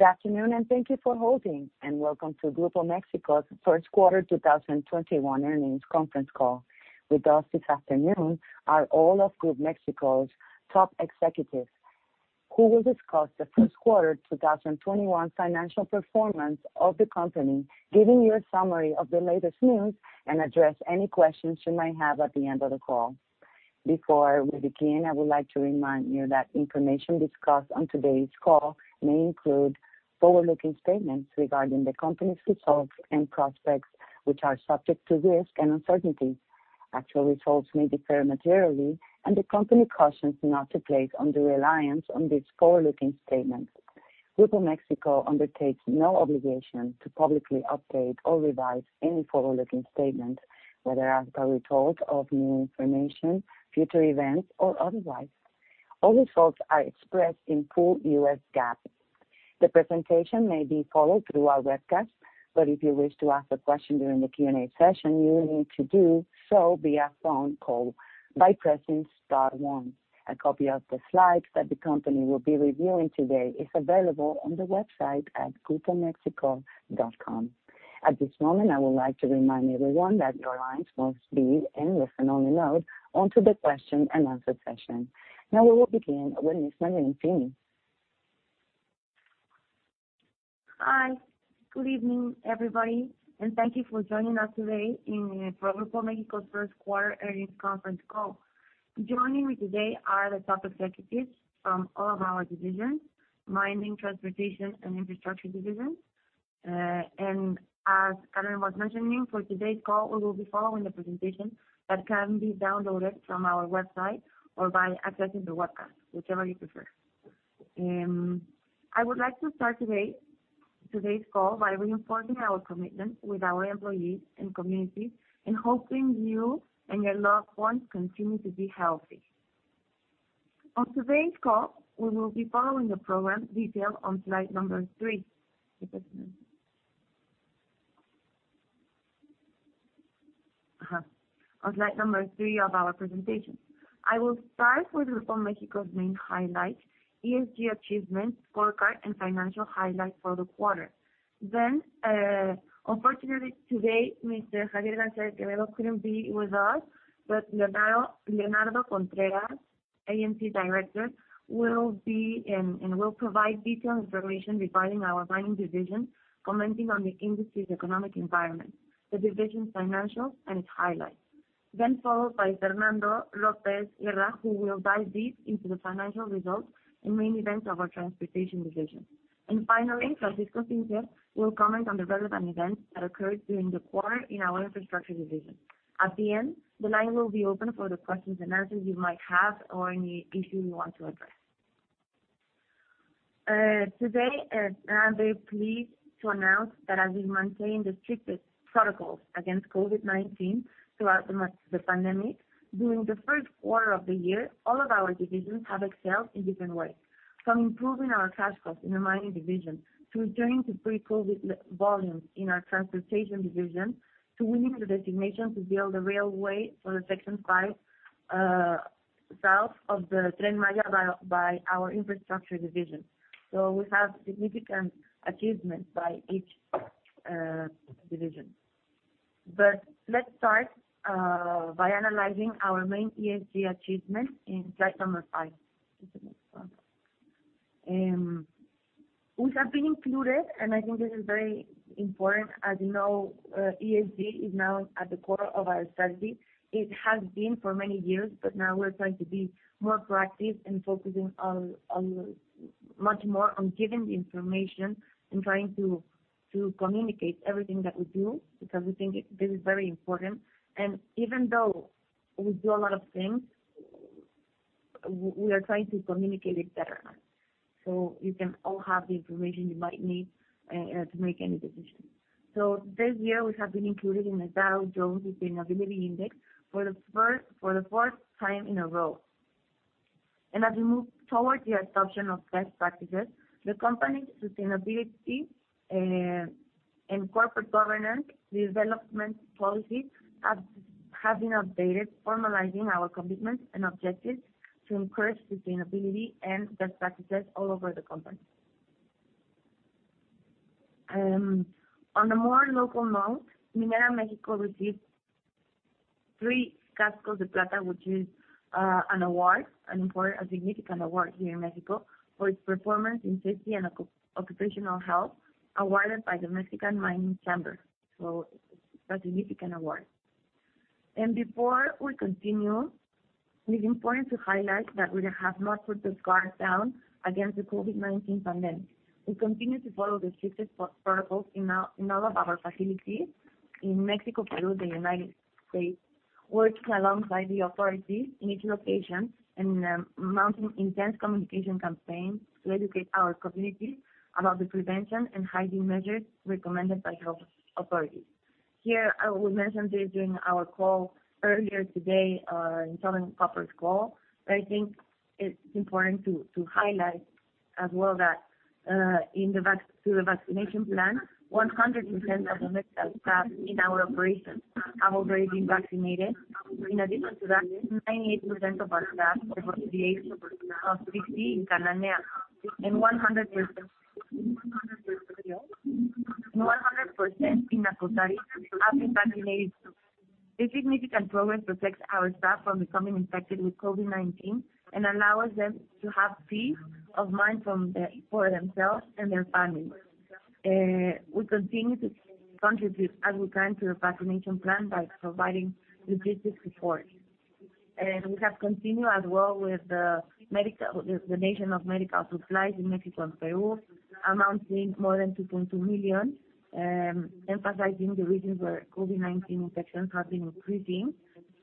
Good afternoon. Thank you for holding, and welcome to Grupo México's first quarter 2021 earnings conference call. With us this afternoon are all of Grupo México's top executives, who will discuss the first quarter 2021 financial performance of the company, giving you a summary of the latest news and address any questions you might have at the end of the call. Before we begin, I would like to remind you that information discussed on today's call may include forward-looking statements regarding the company's results and prospects, which are subject to risks and uncertainties. Actual results may differ materially. The company cautions not to place undue reliance on these forward-looking statements. Grupo México undertakes no obligation to publicly update or revise any forward-looking statements, whether as a result of new information, future events, or otherwise. All results are expressed in full US GAAP. The presentation may be followed through our webcast, but if you wish to ask a question during the Q&A session, you will need to do so via phone call by pressing star one. A copy of the slides that the company will be reviewing today is available on the website at grupomexico.com. At this moment, I would like to remind everyone that your lines must be in listen-only mode until the question and answer session. Now we will begin with Ms. Marlene Finny. Hi. Good evening, everybody, and thank you for joining us today for Grupo México's first quarter earnings conference call. Joining me today are the top executives from all of our divisions: mining, transportation, and infrastructure divisions. As Karen was mentioning, for today's call, we will be following the presentation that can be downloaded from our website or by accessing the webcast, whichever you prefer. I would like to start today's call by reinforcing our commitment with our employees and communities and hoping you and your loved ones continue to be healthy. On today's call, we will be following the program detailed on slide number three of our presentation. I will start with Grupo México's main highlights, ESG achievements, scorecard, and financial highlights for the quarter. Unfortunately, today, Mr. Xavier García de Quevedo Topete couldn't be with us, but Leonardo Contreras, AMC Director, will be in and will provide detailed information regarding our mining division, commenting on the industry's economic environment, the division's financials, and its highlights. Followed by Fernando López Guerra, who will dive deep into the financial results and main events of our transportation division. Finally, Francisco Zinser will comment on the relevant events that occurred during the quarter in our infrastructure division. At the end, the line will be open for the questions and answers you might have or any issues you want to address. Today, I'm very pleased to announce that as we maintain the strictest protocols against COVID-19 throughout the pandemic, during the first quarter of the year, all of our divisions have excelled in different ways, from improving our cash costs in the mining division to returning to pre-COVID volumes in our transportation division to winning the designation to build a railway for the Section 5 south of the Tren Maya by our infrastructure division. We have significant achievements by each division. Let's start by analyzing our main ESG achievements in slide number five. We have been included. I think this is very important. As you know, ESG is now at the core of our strategy. It has been for many years, but now we're trying to be more proactive and focusing much more on giving the information and trying to communicate everything that we do because we think this is very important. Even though we do a lot of things, we are trying to communicate it better so you can all have the information you might need to make any decisions. This year, we have been included in the Dow Jones Sustainability Index for the fourth time in a row. As we move toward the adoption of best practices, the company's sustainability and corporate governance development policies have been updated, formalizing our commitments and objectives to encourage sustainability and best practices all over the company. On a more local note, Minera México received three Cascos de Plata, which is an award, a significant award here in Mexico, for its performance in safety and occupational health, awarded by the Mexican Mining Chamber. It's a significant award. Before we continue, it's important to highlight that we have not put the guard down against the COVID-19 pandemic. We continue to follow the strictest protocols in all of our facilities in Mexico, Peru, the U.S., working alongside the authorities in each location and mounting intense communication campaigns to educate our communities about the prevention and hygiene measures recommended by health authorities. Here, I would mention this during our call earlier today in Southern Copper's call, I think it's important to highlight as well that through the vaccination plan, 100% of the Mexico staff in our operations have already been vaccinated. In addition to that, 98% of our staff over the age of 50 in Cananea, and 100% in Acoxpa have been vaccinated. This significant progress protects our staff from becoming infected with COVID-19 and allows them to have peace of mind for themselves and their families. We continue to contribute as we can to the vaccination plan by providing logistics support. We have continued as well with the donation of medical supplies in Mexico and Peru, amounting more than $2.2 million, emphasizing the regions where COVID-19 infections have been increasing,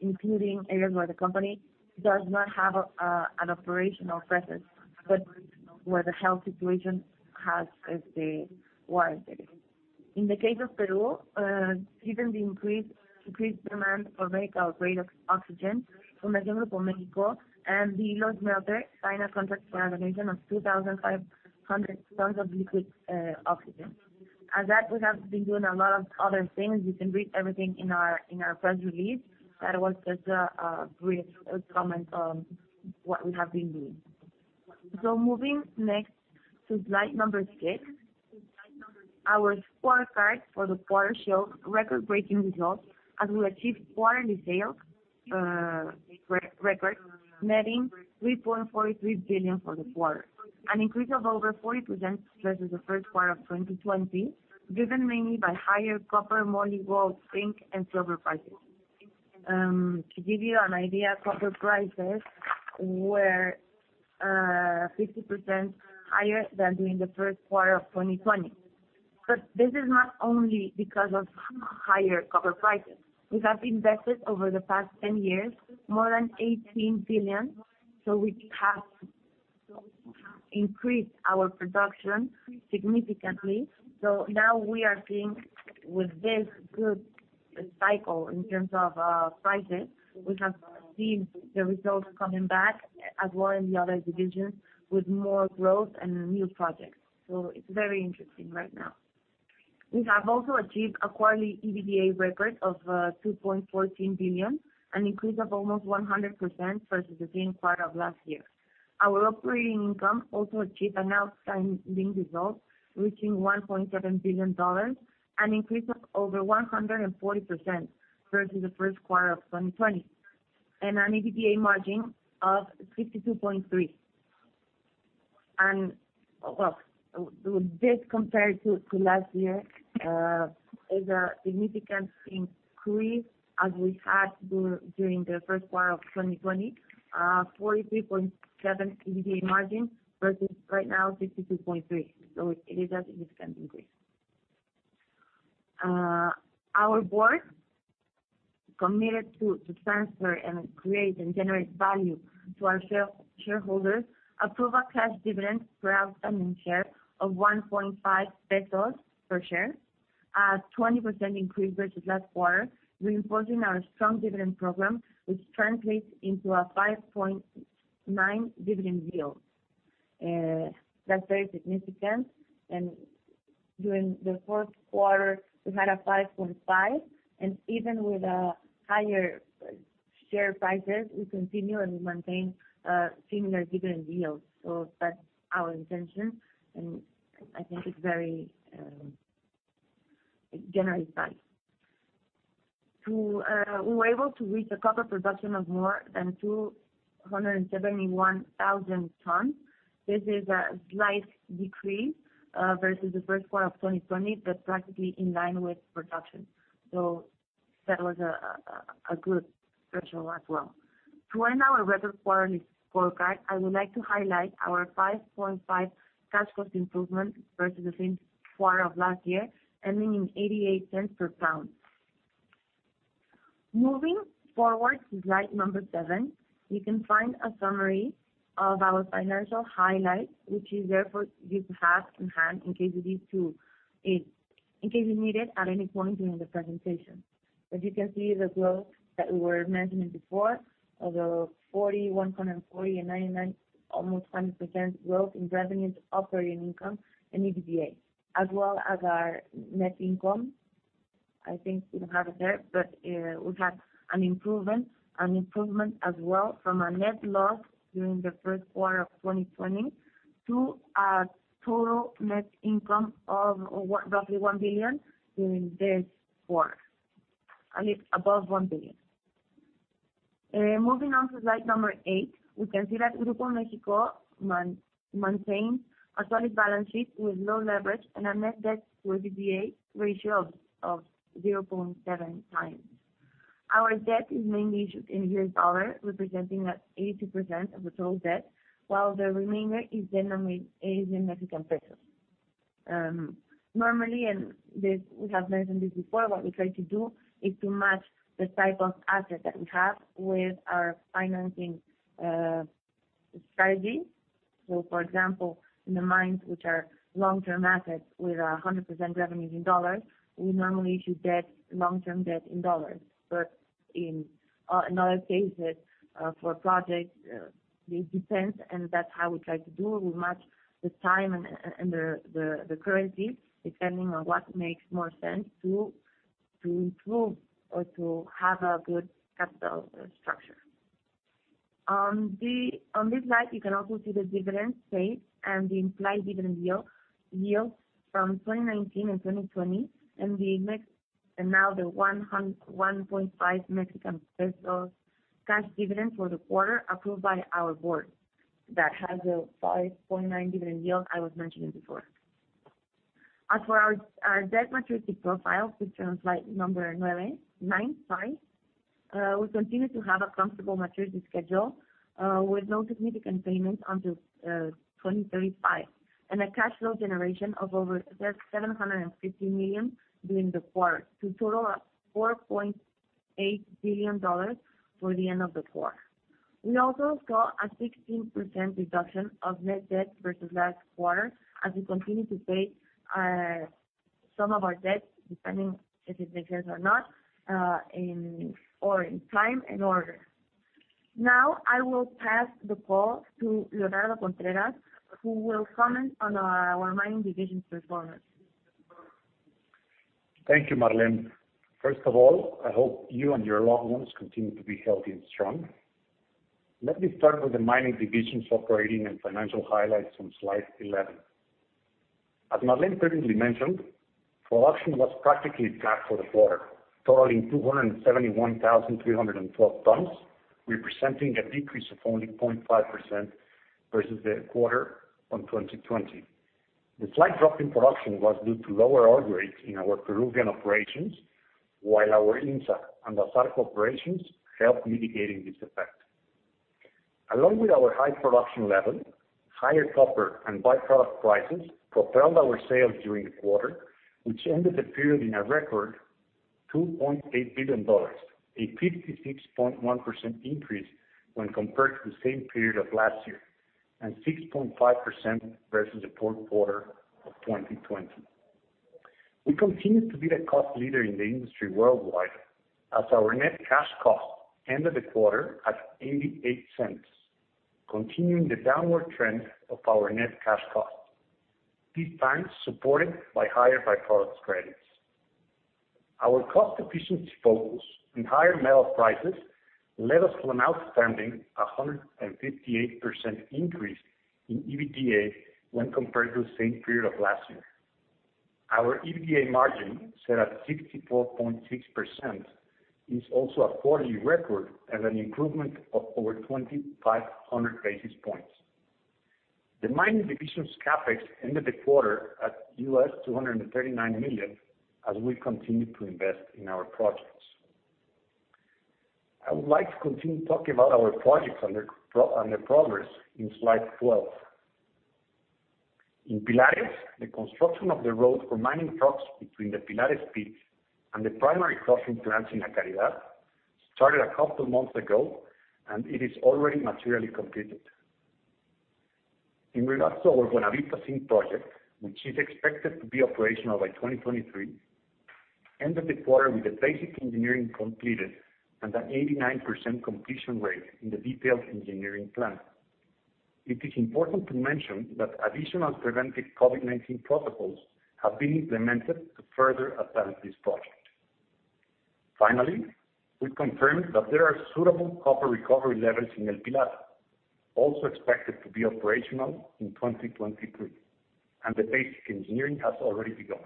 including areas where the company does not have an operational presence, but where the health situation is the worst. In the case of Peru, given the increased demand for medical-grade oxygen from Grupo México and the Ilo Smelter miner contract for a donation of 2,500 tons of liquid oxygen. Aside from that, we have been doing a lot of other things. You can read everything in our press release. That was just a brief comment on what we have been doing. Moving next to slide number six, our scorecard for the quarter shows record-breaking results, as we achieved quarterly sales record, netting $3.43 billion for the quarter, an increase of over 40% versus the first quarter of 2020, driven mainly by higher copper, moly, gold, zinc, and silver prices. To give you an idea, copper prices were 50% higher than during the first quarter of 2020. This is not only because of higher copper prices. We have invested over the past 10 years more than $18 billion, so we have increased our production significantly. Now we are seeing with this good cycle in terms of prices, we have seen the results coming back as well in the other divisions with more growth and new projects. It's very interesting right now. We have also achieved a quarterly EBITDA record of $2.14 billion, an increase of almost 100% versus the same quarter of last year. Our operating income also achieved an outstanding result, reaching $1.7 billion, an increase of over 140% versus the first quarter of 2020, and an EBITDA margin of 52.3%. This compared to last year, is a significant increase as we had during the first quarter of 2020, 43.7% EBITDA margin versus right now 52.3%. It is a significant increase. Our board, committed to transfer and create and generate value to our shareholders, approved a cash dividend per outstanding share of 1.5 pesos per share, a 20% increase versus last quarter, reinforcing our strong dividend program, which translates into a 5.9% dividend yield. That's very significant. During the fourth quarter, we had a 5.5%, and even with higher share prices, we continue and maintain similar dividend yields. That's our intention, and I think it generates value. We were able to reach a copper production of more than 271,000 tons. This is a slight decrease versus the first quarter of 2020, but practically in line with production. That was good as well. To end our record quarterly scorecard, I would like to highlight our 5.5% cash cost improvement versus the same quarter of last year, ending in $0.88 per pound. Moving forward to slide number seven, you can find a summary of our financial highlights, which is there for you to have in hand in case you need it at any point during the presentation. As you can see, the growth that we were mentioning before of the 40%, 140%, and 99%, almost 100% growth in revenues, operating income, and EBITDA, as well as our net income. I think we don't have it there, but we had an improvement as well from a net loss during the first quarter of 2020 to a total net income of roughly $1 billion during this quarter, at least above $1 billion. Moving on to slide number eight, we can see that Grupo México maintains a solid balance sheet with low leverage and a net debt to EBITDA ratio of 0.7 times. Our debt is mainly issued in US dollar, representing that 80% of the total debt, while the remainder is denominated in Mexican pesos. Normally, we have mentioned this before, what we try to do is to match the type of asset that we have with our financing strategy. For example, in the mines, which are long-term assets with 100% revenue in US dollars, we normally issue long-term debt in US dollars. In other cases, for projects, it depends, and that's how we try to do. We match the time and the currency depending on what makes more sense to improve or to have a good capital structure. On this slide, you can also see the dividend paid and the implied dividend yield from 2019 and 2020, and now the 1.5 Mexican pesos cash dividend for the quarter approved by our board. That has the 5.9 dividend yield I was mentioning before. As for our debt maturity profile, which is on slide number nine, we continue to have a comfortable maturity schedule with no significant payments until 2035 and a cash flow generation of over $750 million during the quarter to total of $4.8 billion for the end of the quarter. We also saw a 16% reduction of net debt versus last quarter as we continue to pay some of our debt, depending if it makes sense or not, or in time and order. I will pass the call to Leonardo Contreras, who will comment on our mining division's performance. Thank you, Marlene. I hope you and your loved ones continue to be healthy and strong. Let me start with the mining division's operating and financial highlights on slide 11. As Marlene previously mentioned, production was practically flat for the quarter, totaling 271,312 tons, representing a decrease of only 0.5% versus the quarter on 2020. The slight drop in production was due to lower ore grades in our Peruvian operations, while our IMMSA and ASARCO operations helped mitigating this effect. Higher copper and by-product prices propelled our sales during the quarter, which ended the period in a record $2.8 billion, a 56.1% increase when compared to the same period of last year, and 6.5% versus the fourth quarter of 2020. We continue to be the cost leader in the industry worldwide as our net cash cost ended the quarter at $0.88, continuing the downward trend of our net cash cost, this time supported by higher by-product credits. Our cost efficiency focus and higher metal prices led us to an outstanding 158% increase in EBITDA when compared to the same period of last year. Our EBITDA margin, set at 64.6%, is also a quarterly record and an improvement of over 2,500 basis points. The mining division's CapEx ended the quarter at $239 million as we continue to invest in our projects. I would like to continue talking about our projects and their progress on slide 12. In Pilares, the construction of the road for mining trucks between the Pilares pit and the primary crushing plant in La Caridad started a couple months ago, and it is already materially completed. In regards to our Buenavista zinc project, which is expected to be operational by 2023, ended the quarter with the basic engineering completed and an 89% completion rate in the detailed engineering plan. It is important to mention that additional preventive COVID-19 protocols have been implemented to further advance this project. Finally, we confirm that there are suitable copper recovery levels in El Pilar, also expected to be operational in 2023, and the basic engineering has already begun.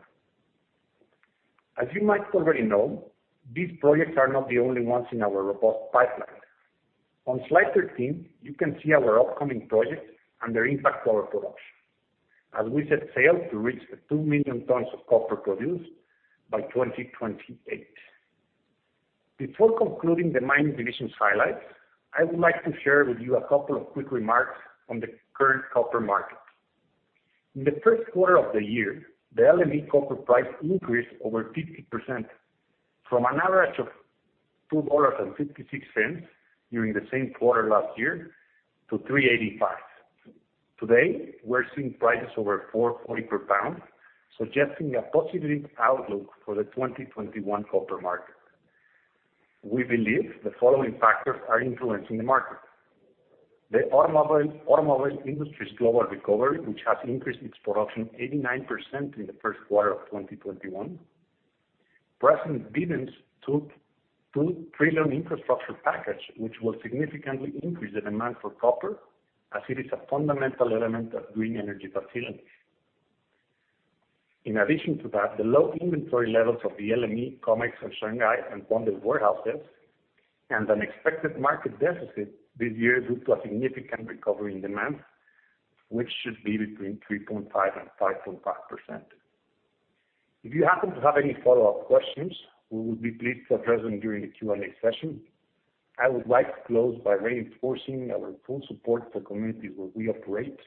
As you might already know, these projects are not the only ones in our robust pipeline. On slide 13, you can see our upcoming projects and their impact on our production as we set sail to reach 2 million tons of copper produced by 2028. Before concluding the mining division's highlights, I would like to share with you a couple of quick remarks on the current copper market. In the first quarter of the year, the LME copper price increased over 50%, from an average of $2.56 during the same quarter last year to $3.85. Today, we're seeing prices over $4.40 per pound, suggesting a positive outlook for the 2021 copper market. We believe the following factors are influencing the market. The automobile industry's global recovery, which has increased its production 89% in the first quarter of 2021. President Biden's $2 trillion infrastructure package, which will significantly increase the demand for copper as it is a fundamental element of green energy facilities. In addition to that, the low inventory levels of the LME, COMEX and Shanghai and bonded warehouses, and an expected market deficit this year due to a significant recovery in demand, which should be between 3.5% and 5.5%. If you happen to have any follow-up questions, we will be pleased to address them during the Q&A session. I would like to close by reinforcing our full support for communities where we operate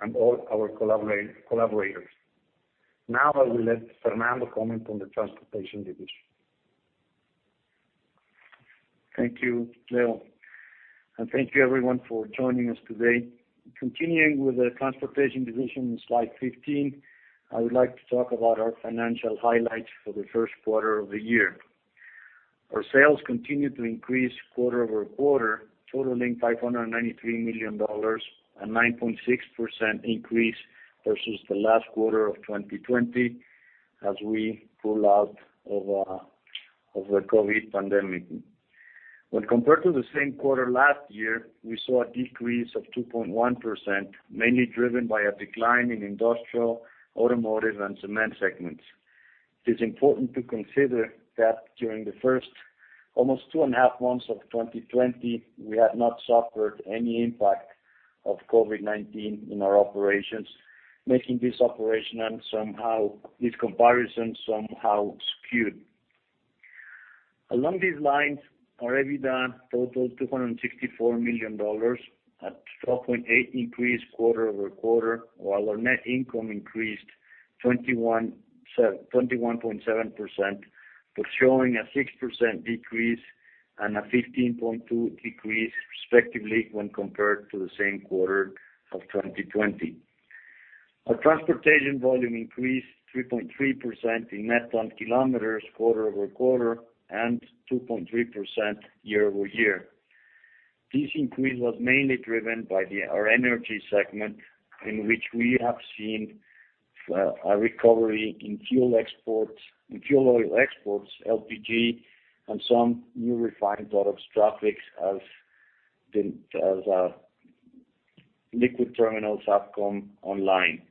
and all our collaborators. Now I will let Fernando comment on the transportation division. Thank you, Leonardo, and thank you, everyone, for joining us today. Continuing with the transportation division on slide 15, I would like to talk about our financial highlights for the first quarter of the year. Our sales continued to increase quarter-over-quarter, totaling $593 million, a 9.6% increase versus the last quarter of 2020 as we pull out of the COVID pandemic. When compared to the same quarter last year, we saw a decrease of 2.1%, mainly driven by a decline in industrial, automotive, and cement segments. It is important to consider that during the first almost two and a half months of 2020, we had not suffered any impact of COVID-19 in our operations, making this comparison somehow skewed. Along these lines, our EBITDA totaled $264 million, a 12.8% increase quarter-over-quarter, while our net income increased 21.7%, showing a 6% decrease and a 15.2% decrease respectively, when compared to the same quarter of 2020. Our transportation volume increased 3.3% in net ton kilometers quarter-over-quarter and 2.3% year-over-year. This increase was mainly driven by our energy segment, in which we have seen a recovery in fuel oil exports, LPG, and some new refined products traffic as our liquid terminals have come online.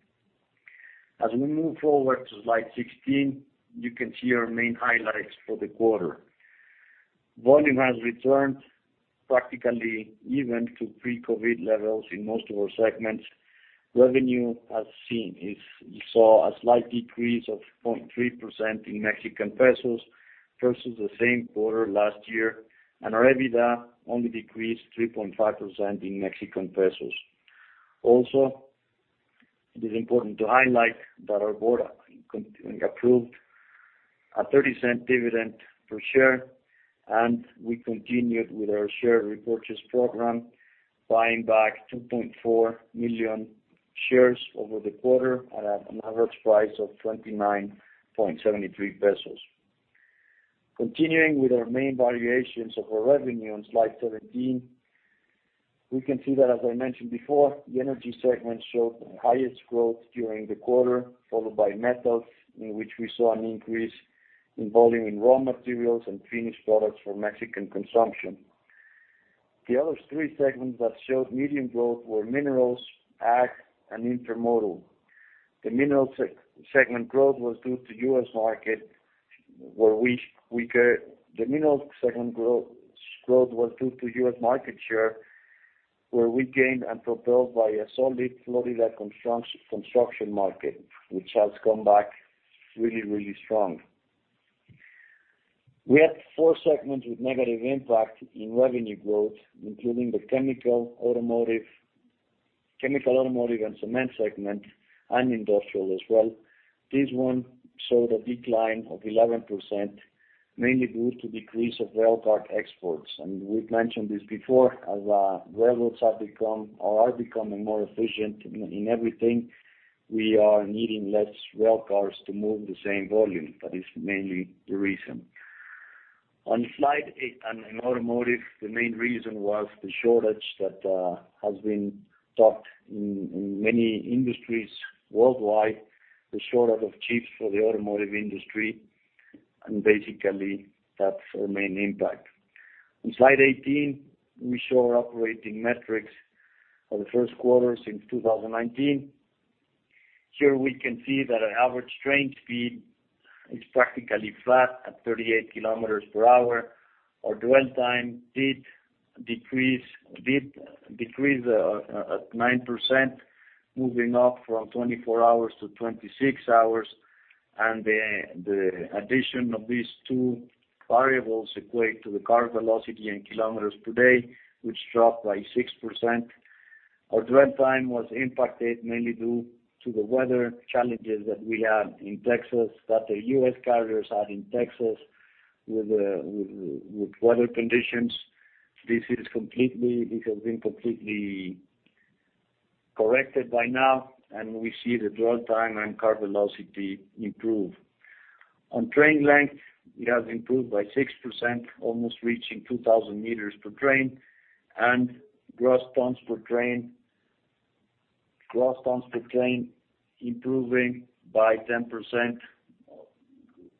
As we move forward to slide 16, you can see our main highlights for the quarter. Volume has returned practically even to pre-COVID levels in most of our segments. Revenue, as seen, we saw a slight decrease of 0.3% in Mexican Pesos versus the same quarter last year, our EBITDA only decreased 3.5% in Mexican Pesos. Also, it is important to highlight that our board approved a 0.30 dividend per share, and we continued with our share repurchase program, buying back 2.4 million shares over the quarter at an average price of 29.73 pesos. Continuing with our main variations of our revenue on slide 17, we can see that as I mentioned before, the energy segment showed the highest growth during the quarter, followed by metals in which we saw an increase in volume in raw materials and finished products for Mexican consumption. The other three segments that showed medium growth were minerals, Ag, and intermodal. The minerals segment growth was due to US market share, where we gained and propelled by a solid Florida construction market, which has come back really strong. We had four segments with negative impact in revenue growth, including the chemical, automotive, and cement segment, and industrial as well. This one showed a decline of 11%, mainly due to decrease of rail car exports. We’ve mentioned this before, as railroads are becoming more efficient in everything, we are needing less rail cars to move the same volume. That is mainly the reason. In automotive, the main reason was the shortage that has been talked in many industries worldwide, the shortage of chips for the automotive industry, and basically, that’s our main impact. On slide 18, we show our operating metrics for the first quarter since 2019. Here we can see that our average train speed is practically flat at 38 km per hour. Our dwell time did decrease at 9%, moving up from 24 hours to 26 hours. The addition of these two variables equate to the car velocity in km per day, which dropped by 6%. Our dwell time was impacted mainly due to the weather challenges that we had in Texas, that the US carriers had in Texas with weather conditions. This has been completely corrected by now, and we see the dwell time and car velocity improve. On train length, it has improved by 6%, almost reaching 2,000 meters per train. Gross tons per train improving by 10%,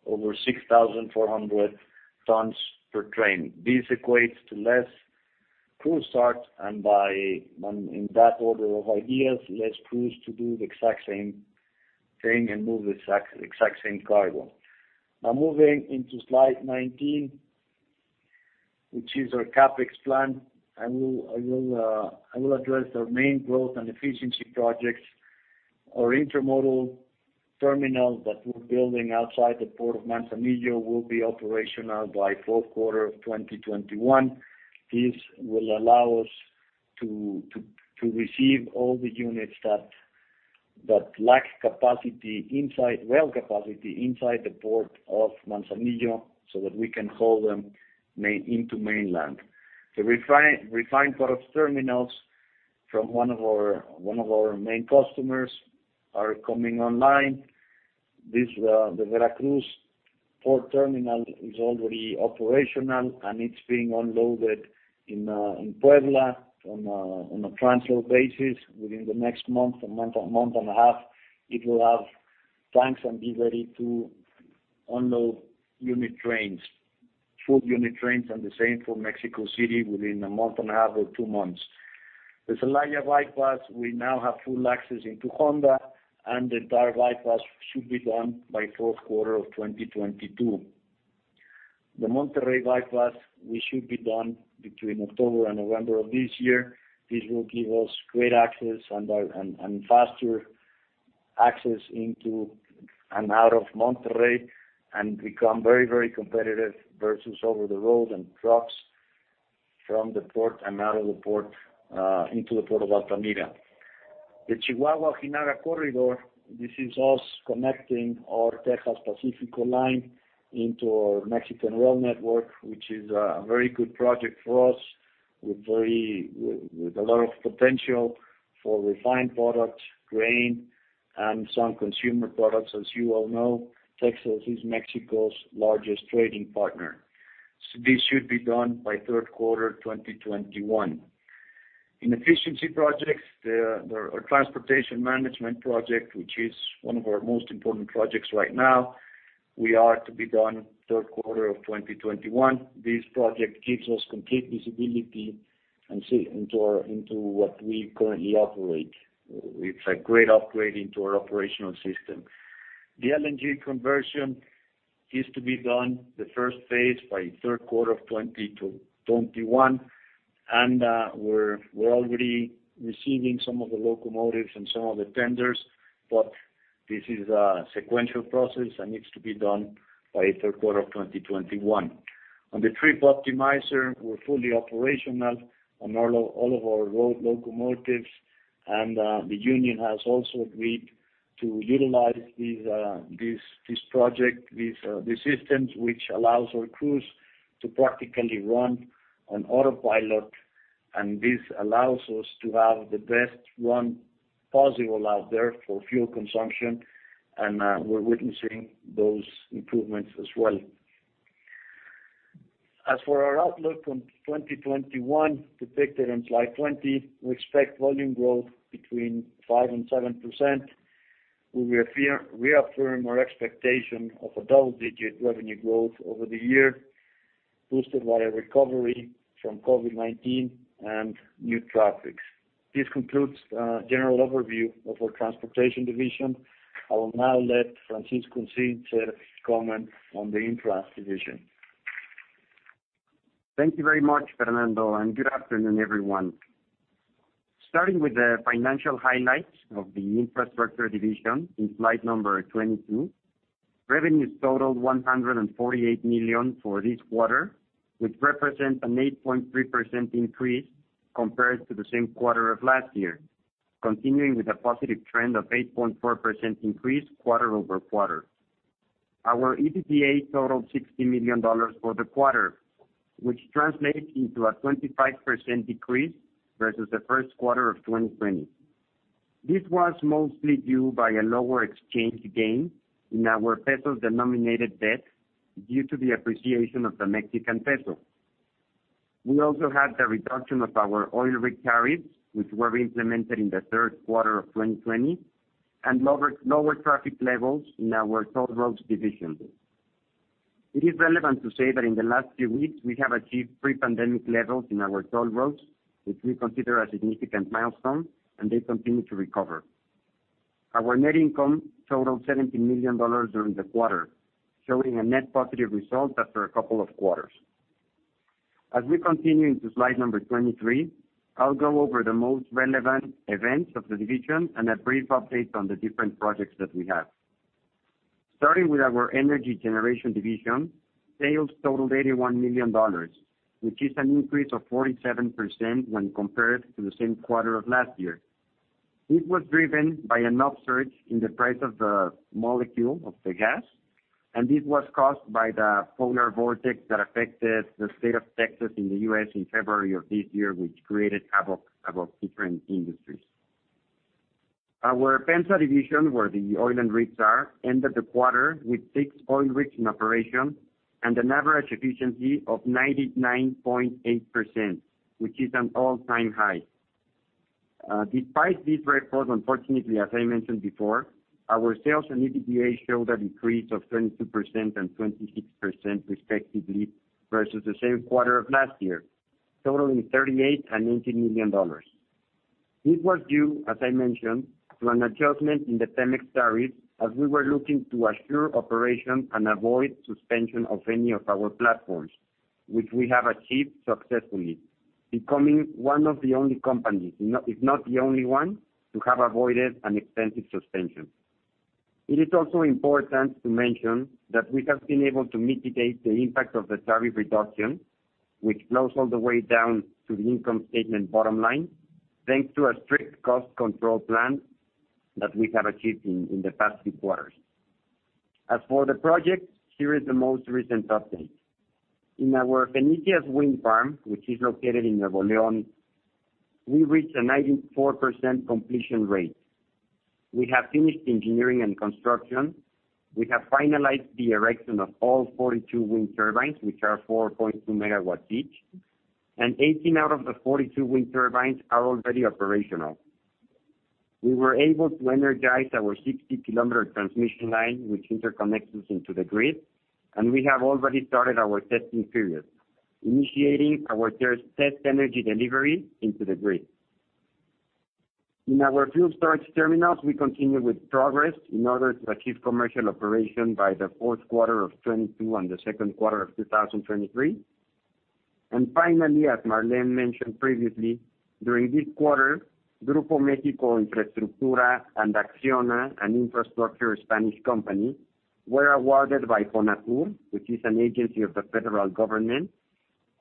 over 6,400 tons per train. This equates to less crew start, and in that order of ideas, less crews to do the exact same thing and move the exact same cargo. Now moving into slide 19, which is our CapEx plan. I will address our main growth and efficiency projects. Our intermodal terminal that we're building outside the port of Manzanillo will be operational by fourth quarter of 2021. This will allow us to receive all the units that lack capacity inside capacity inside the port of Manzanillo, so that we can haul them into mainland. The refined products terminals from one of our main customers are coming online. The Veracruz port terminal is already operational, and it's being unloaded in Puebla on a transfer basis. Within the next month, a month and a half, it will have tanks and be ready to unload unit trains. Full unit trains and the same for Mexico City within a month and a half or two months. The Celaya bypass, we now have full access into Honda, the entire bypass should be done by fourth quarter of 2022. The Monterrey bypass, we should be done between October and November of this year. This will give us great access and faster access into and out of Monterrey, and become very competitive versus over the road and trucks from the port and out of the port into the Port of Altamira. The Chihuahua-Ojinaga Corridor, this is us connecting our Texas Pacifico line into our Mexican rail network, which is a very good project for us, with a lot of potential for refined products, grain, and some consumer products. As you all know, Texas is Mexico's largest trading partner. This should be done by third quarter 2021. In efficiency projects, the Transportation Management Project, which is one of our most important projects right now, we are to be done third quarter of 2021. This project gives us complete visibility into what we currently operate. It's a great upgrade into our operational system. The LNG conversion is to be done, the first phase, by third quarter of 2021. We're already receiving some of the locomotives and some of the tenders, but this is a sequential process and needs to be done by third quarter of 2021. On the Trip Optimizer, we're fully operational on all of our road locomotives, and the union has also agreed to utilize this project, these systems, which allows our crews to practically run on autopilot. This allows us to have the best run possible out there for fuel consumption, and we're witnessing those improvements as well. As for our outlook on 2021, depicted on slide 20, we expect volume growth between 5% and 7%. We reaffirm our expectation of a double-digit revenue growth over the year, boosted by a recovery from COVID-19 and new traffics. This concludes a general overview of our Transportation division. I will now let Francisco Zinser comment on the Infra division. Thank you very much, Fernando, and good afternoon, everyone. Starting with the financial highlights of the Infrastructure Division in slide number 22. Revenues totaled $148 million for this quarter, which represents an 8.3% increase compared to the same quarter of last year, continuing with a positive trend of 8.4% increase quarter-over-quarter. Our EBITDA totaled $60 million for the quarter, which translates into a 25% decrease versus the first quarter of 2020. This was mostly due to a lower exchange gain in our peso-denominated debt due to the appreciation of the Mexican Peso. We also had the reduction of our oil rig tariffs, which were implemented in the third quarter of 2020, and lower traffic levels in our Toll Roads Division. It is relevant to say that in the last few weeks, we have achieved pre-pandemic levels in our toll roads, which we consider a significant milestone, and they continue to recover. Our net income totaled $70 million during the quarter, showing a net positive result after a couple of quarters. As we continue into slide number 23, I'll go over the most relevant events of the division and a brief update on the different projects that we have. Starting with our Energy Generation division, sales totaled $81 million, which is an increase of 47% when compared to the same quarter of last year. It was driven by an upsurge in the price of the molecule of the gas, and this was caused by the polar vortex that affected the state of Texas in the U.S. in February of this year, which created havoc across different industries. Our Perforadora México division, where the oil rigs are, ended the quarter with six oil rigs in operation and an average efficiency of 99.8%, which is an all-time high. Despite this record, unfortunately, as I mentioned before, our sales and EBITDA show a decrease of 32% and 26% respectively versus the same quarter of last year, totaling $38 million and $18 million. This was due, as I mentioned, to an adjustment in the Pemex tariff, as we were looking to assure operation and avoid suspension of any of our platforms, which we have achieved successfully, becoming one of the only companies, if not the only one, to have avoided an extensive suspension. It is also important to mention that we have been able to mitigate the impact of the tariff reduction, which flows all the way down to the income statement bottom line, thanks to a strict cost control plan that we have achieved in the past few quarters. As for the project, here is the most recent update. In our Fenicias Wind Farm, which is located in Nuevo León, we reached a 94% completion rate. We have finished engineering and construction. We have finalized the erection of all 42 wind turbines, which are 4.2 MW each, and 18 out of the 42 wind turbines are already operational. We were able to energize our 60-km transmission line, which interconnects us into the grid, and we have already started our testing period, initiating our first test energy delivery into the grid. In our fuel storage terminals, we continue with progress in order to achieve commercial operation by the fourth quarter of 2022 and the second quarter of 2023. Finally, as Marlene mentioned previously, during this quarter, Grupo México Infraestructura and Acciona, an infrastructure Spanish company, were awarded by FONATUR, which is an agency of the federal government,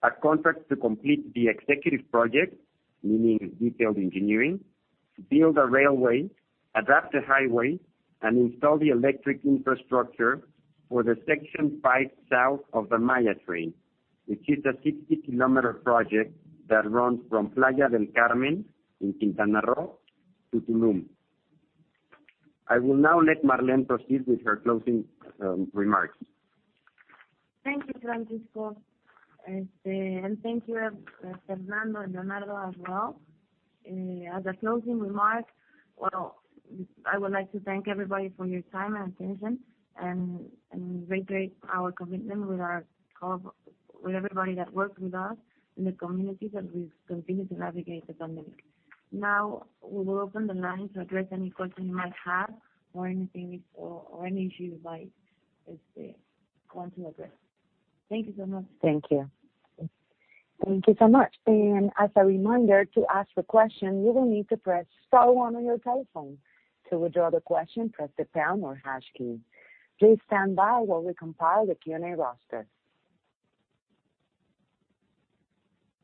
a contract to complete the executive project, meaning detailed engineering, to build a railway, adapt the highway, and install the electric infrastructure for the Section 5 south of the Maya Train, which is a 60-km project that runs from Playa del Carmen in Quintana Roo to Tulum. I will now let Marlene proceed with her closing remarks. Thank you, Francisco. Thank you, Fernando and Leonardo as well. As a closing remark, I would like to thank everybody for your time and attention and reiterate our commitment with everybody that works with us in the communities as we continue to navigate the pandemic. Now, we will open the line to address any questions you might have or any issues you want to address. Thank you so much. Thank you. Thank you so much. As a reminder, to ask a question, you will need to press star one on your telephone. To withdraw the question, press the pound or hash key. Please stand by while we compile the Q&A roster.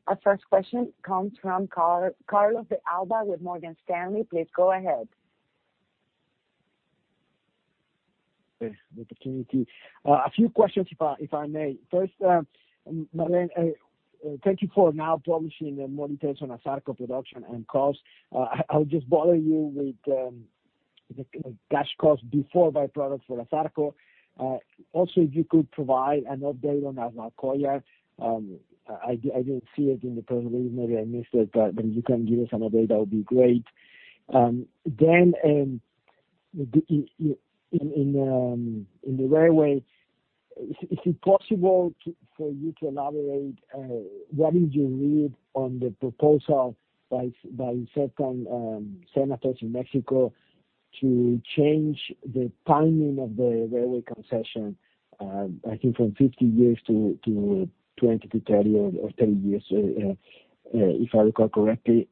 Our first question comes from Carlos de Alba with Morgan Stanley. Please go ahead. The opportunity. A few questions, if I may. First, Marlene, thank you for now publishing more details on ASARCO production and costs. I'll just bother you with the cash cost before byproducts for ASARCO. If you could provide an update on Aznalcóllar. I didn't see it in the presentation. Maybe I missed it, if you can give us an update, that would be great. In the railway, is it possible for you to elaborate, what is your read on the proposal by certain senators in Mexico to change the timing of the railway concession, I think from 50 years-20 years-30 years or 30 years, if I recall correctly.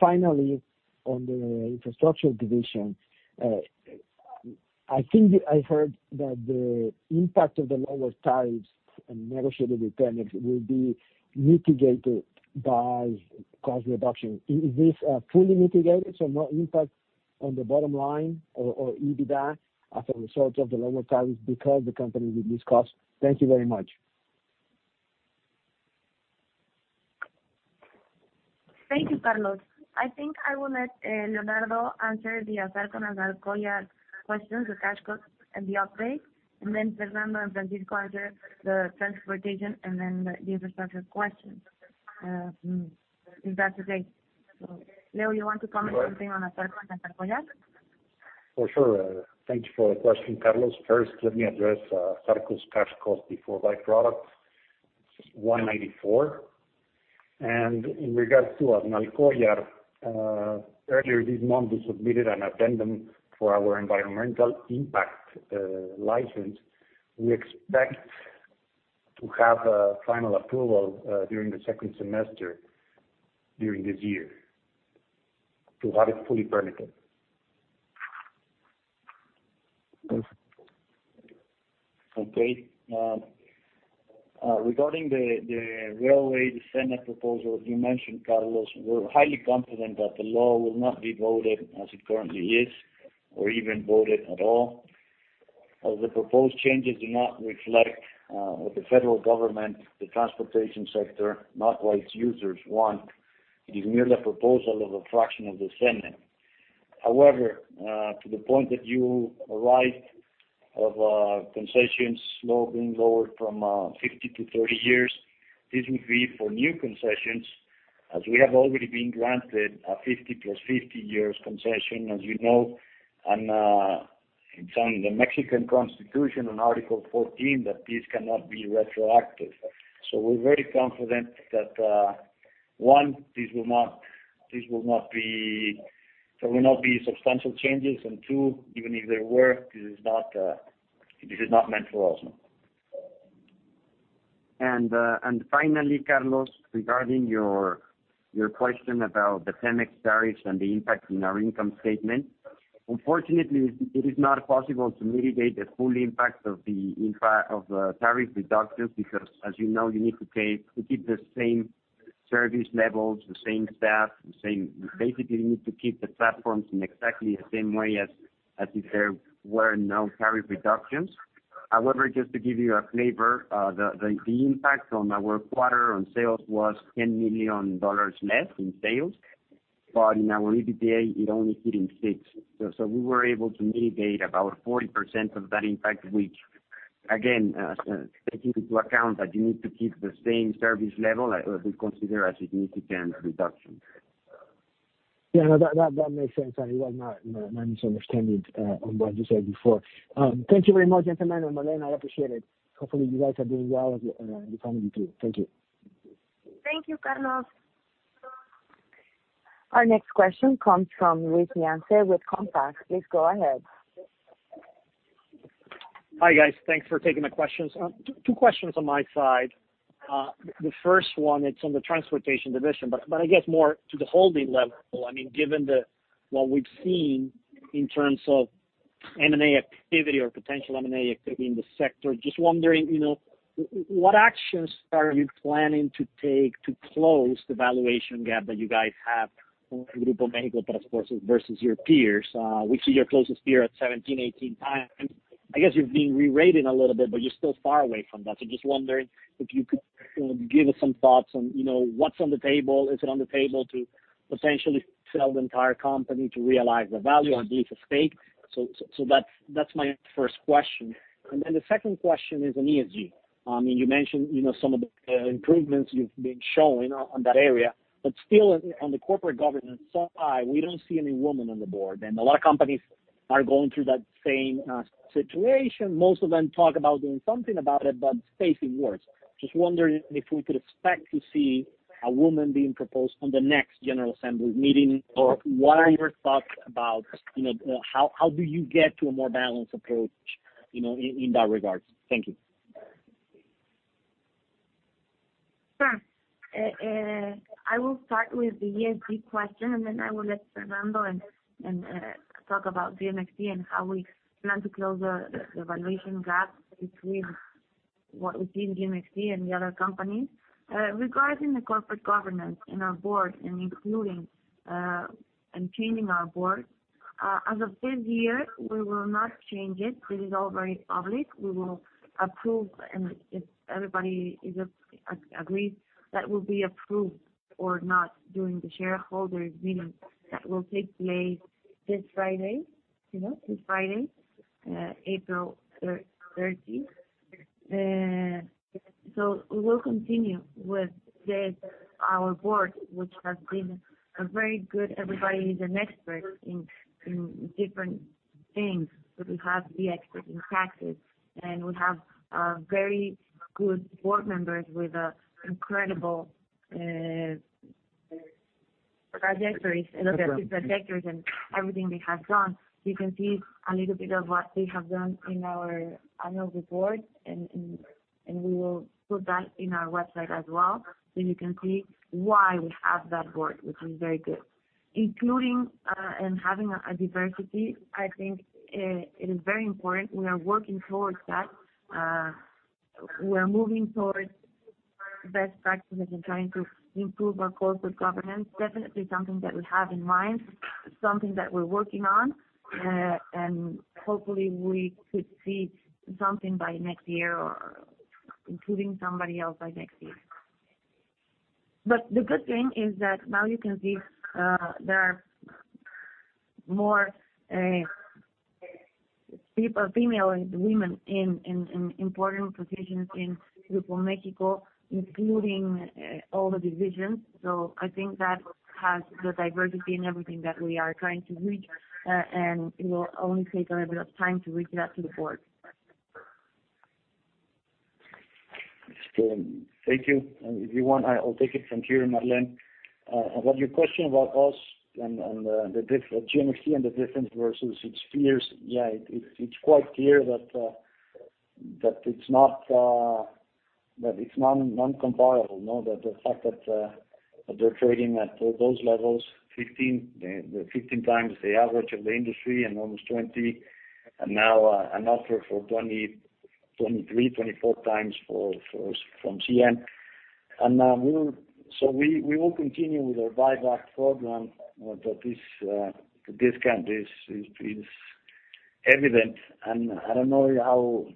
Finally, on the infrastructure division, I think I heard that the impact of the lower tariffs and negotiated with Pemex will be mitigated by cost reduction. Is this fully mitigated, so no impact on the bottom line or EBITDA as a result of the lower tariffs because the company reduced costs? Thank you very much. Thank you, Carlos. I think I will let Leonardo answer the ASARCO and Aznalcóllar questions, the cash costs and the updates, and then Fernando and Francisco answer the transportation and then the infrastructure questions. Is that okay? Leonardo, you want to comment something on ASARCO and Aznalcóllar? For sure. Thank you for the question, Carlos. First, let me address ASARCO's cash cost before byproducts, $1.94. In regards to Aznalcóllar, earlier this month, we submitted an addendum for our environmental impact license. We expect to have a final approval during the second semester during this year to have it fully permitted. Okay. Regarding the railway, the Senate proposal you mentioned, Carlos, we're highly confident that the law will not be voted as it currently is or even voted at all, as the proposed changes do not reflect what the federal government, the transportation sector, much less users want. It is merely a proposal of a fraction of the Senate. To the point that you arrived of concessions law being lowered from 50 years-30 years, this would be for new concessions, as we have already been granted a 50 years+ 50 years concession, as you know, and it's on the Mexican Constitution on Article 14 that this cannot be retroactive. We're very confident that, one, there will not be substantial changes, and two, even if there were, this is not meant for us. Finally, Carlos, regarding your question about the Pemex tariffs and the impact on our income statement. Unfortunately, it is not possible to mitigate the full impact of the tariff reductions because, as you know, you need to keep the same service levels, the same staff. Basically, you need to keep the platforms in exactly the same way as if there were no tariff reductions. However, just to give you a flavor, the impact on our quarter on sales was $10 million less in sales. In our EBITDA, it only hit $6. We were able to mitigate about 40% of that impact, which again, taking into account that you need to keep the same service level, I would consider a significant reduction. That makes sense. It was my misunderstanding on what you said before. Thank you very much, gentlemen, and Marlene, I appreciate it. Hopefully, you guys are doing well and your family, too. Thank you. Thank you, Carlos. Our next question comes from Luis Yance with Compass. Please go ahead. Hi, guys. Thanks for taking the questions. Two questions on my side. The first one, it's on the transportation division, but I guess more to the holding level. Given what we've seen in terms of M&A activity or potential M&A activity in the sector, just wondering, what actions are you planning to take to close the valuation gap that you guys have on Grupo México Transportes versus your peers? We see your closest peer at 17 times, 18 times. I guess you're being re-rated a little bit, but you're still far away from that. Just wondering if you could give us some thoughts on what's on the table. Is it on the table to potentially sell the entire company to realize the value or a piece of stake? That's my first question. The second question is on ESG. You mentioned some of the improvements you've been showing on that area, but still on the corporate governance side, we don't see any woman on the board. A lot of companies are going through that same situation. Most of them talk about doing something about it, but it's fading words. Just wondering if we could expect to see a woman being proposed on the next general assembly meeting, or what are your thoughts about how do you get to a more balanced approach in that regard? Thank you. Sure. I will start with the ESG question, and then I will let Fernando talk about GMXT and how we plan to close the valuation gap between what we see in GMXT and the other companies. Regarding the corporate governance in our board and including and changing our board, as of this year, we will not change it. This is all very public. We will approve, and if everybody agrees, that will be approved or not during the shareholders meeting that will take place this Friday, April 30th. We will continue with our board, which has been very good. Everybody is an expert in different things. We have the expert in taxes, and we have very good board members with incredible trajectories. If you look at the trajectories and everything they have done, you can see a little bit of what they have done in our annual report, and we will put that on our website as well, so you can see why we have that board, which is very good. Including and having diversity, I think it is very important. We are working towards that. We are moving towards best practices and trying to improve our corporate governance. Definitely something that we have in mind, something that we're working on. Hopefully we could see something by next year or including somebody else by next year. The good thing is that now you can see there are more people, female and women in important positions in Grupo México, including all the divisions. I think that has the diversity and everything that we are trying to reach, and it will only take a little bit of time to reach that to the board. Thank you. If you want, I'll take it from here, Marlene. On your question about us and the diff of GMXT and the difference versus its peers. Yeah, it's quite clear that it's non-comparable. The fact that they're trading at those levels, 15 times the average of the industry and almost 20 times, and now an offer for 23 times, 24 times from CN. We will continue with our buyback program. This discount is evident. I don't know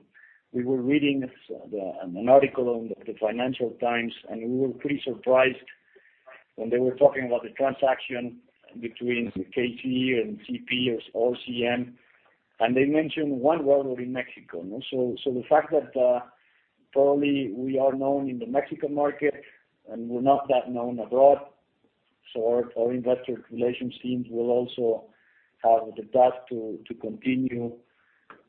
how. We were reading an article on the Financial Times, and we were pretty surprised when they were talking about the transaction between KCS and CP or CN. They mentioned one word in Mexico. The fact that probably we are known in the Mexican market and we're not that known abroad, so our investor relations teams will also have the task to continue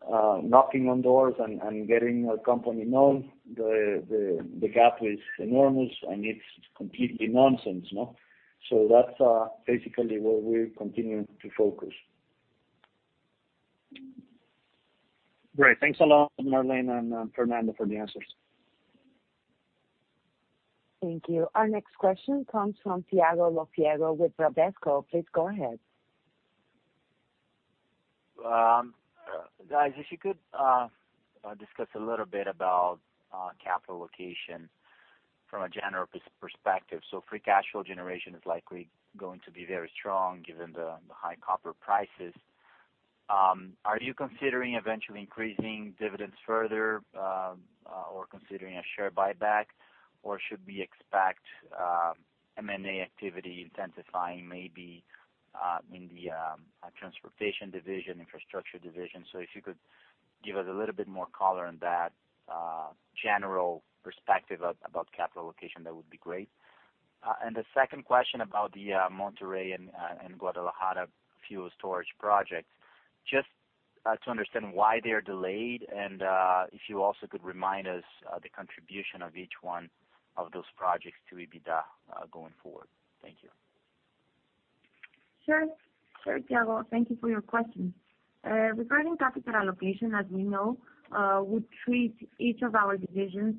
knocking on doors and getting our company known. The gap is enormous, and it's completely nonsense. That's basically where we're continuing to focus. Great. Thanks a lot, Marlene and Fernando, for the answers. Thank you. Our next question comes from Thiago Lofiego with Bradesco. Please go ahead. Guys, if you could discuss a little bit about capital allocation from a general perspective. Free cash flow generation is likely going to be very strong given the high copper prices. Are you considering eventually increasing dividends further or considering a share buyback? Or should we expect M&A activity intensifying maybe in the transportation division, infrastructure division. If you could give us a little bit more color on that general perspective about capital allocation, that would be great. The second question about the Monterrey and Guadalajara fuel storage projects. Just to understand why they're delayed, and if you also could remind us the contribution of each one of those projects to EBITDA going forward. Thank you. Sure, Thiago. Thank you for your question. Regarding capital allocation, as you know, we treat each of our divisions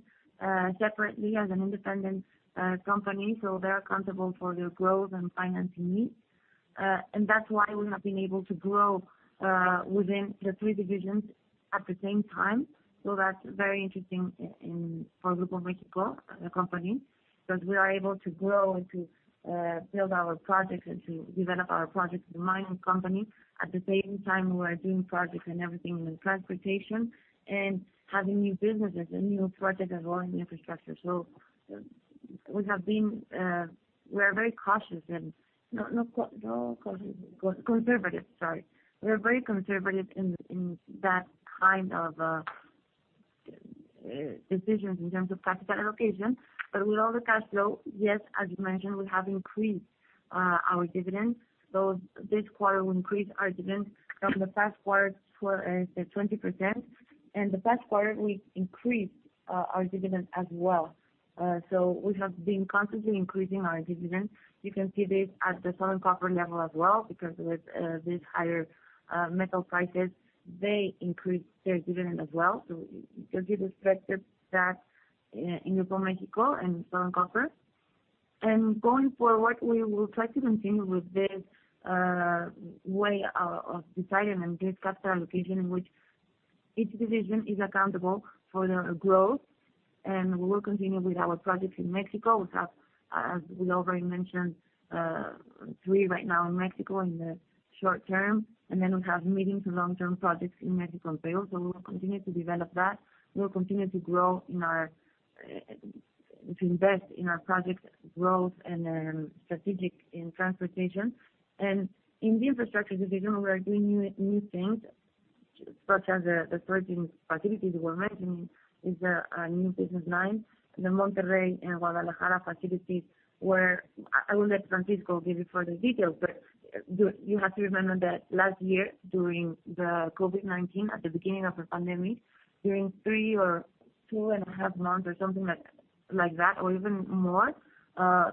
separately as an independent company, they're accountable for their growth and financing needs. That's why we have been able to grow within the three divisions at the same time. That's very interesting for Grupo México, the company, because we are able to grow and to build our projects and to develop our projects as a mining company. At the same time, we are doing projects and everything in transportation, having new businesses and new projects as well in infrastructure. We are very cautious conservative, sorry. We are very conservative in that kind of decisions in terms of capital allocation. With all the cash flow, yes, as you mentioned, we have increased our dividends. This quarter, we increased our dividends from the past quarter at 20%. The past quarter, we increased our dividends as well. We have been constantly increasing our dividends. You can see this at the Southern Copper level as well, because with these higher metal prices, they increased their dividend as well. You can expect that in Grupo México and Southern Copper. Going forward, we will try to continue with this way of deciding and this capital allocation in which each division is accountable for their growth. We will continue with our projects in Mexico. We have, as we already mentioned, three right now in Mexico in the short term, and then we have medium to long-term projects in Mexico as well. We will continue to develop that. We will continue to invest in our project growth and strategic in transportation. In the infrastructure division, we are doing new things such as the storage facilities we're making, is a new business line. The Monterrey and Guadalajara facilities, I will let Francisco give you further details. You have to remember that last year, during the COVID-19, at the beginning of the pandemic, during three or two and a half months or something like that, or even more,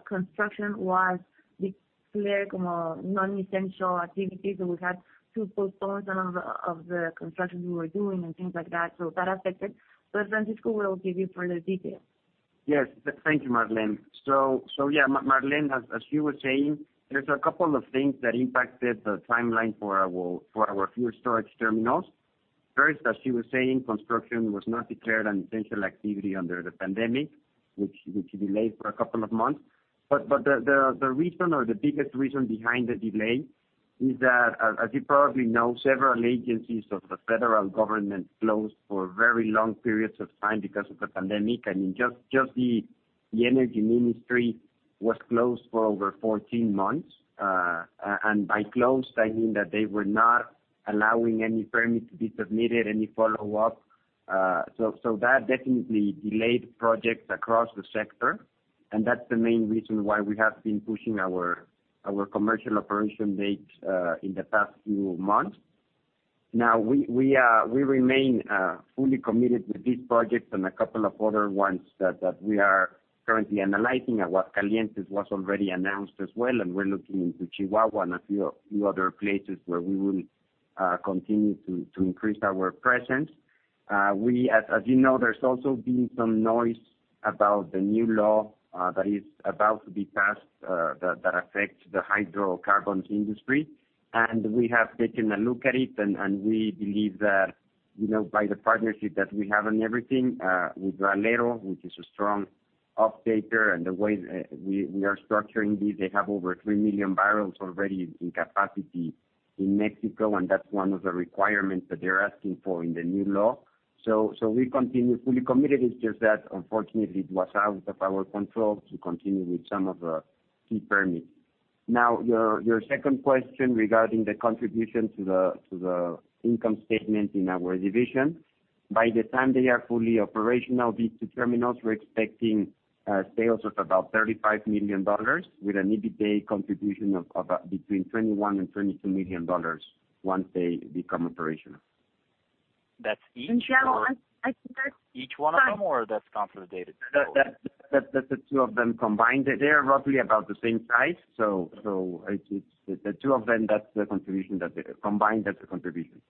construction was declared non-essential activity. We had to postpone some of the construction we were doing and things like that. That affected. Francisco will give you further details. Yes. Thank you, Marlene. Yeah, Marlene, as she was saying, there's two things that impacted the timeline for our fuel storage terminals. First, as she was saying, construction was not declared an essential activity under the pandemic, which delayed for two months. The reason or the biggest reason behind the delay is that, as you probably know, several agencies of the federal government closed for very long periods of time because of the pandemic. Just the Energy Ministry was closed for over 14 months. By closed, I mean that they were not allowing any permit to be submitted, any follow-up. That definitely delayed projects across the sector, and that's the main reason why we have been pushing our commercial operation dates in the past few months. We remain fully committed with this project and a couple of other ones that we are currently analyzing. Aguascalientes was already announced as well, and we're looking into Chihuahua and a few other places where we will continue to increase our presence. As you know, there's also been some noise about the new law that is about to be passed that affects the hydrocarbons industry. We have taken a look at it, and we believe that by the partnership that we have and everything with Valero, which is a strong off-taker, and the way we are structuring this, they have over 3 million barrels already in capacity in Mexico, and that's one of the requirements that they're asking for in the new law. We continue fully committed. It's just that, unfortunately, it was out of our control to continue with some of the key permits. Your second question regarding the contribution to the income statement in our division. By the time they are fully operational, these two terminals, we're expecting sales of about $35 million with an EBITDA contribution of between $21 million and $22 million once they become operational. That's each? Thiago, I think. Each one of them, or that's consolidated? That's the two of them combined. They're roughly about the same size. The two of them, combined, that's the contribution.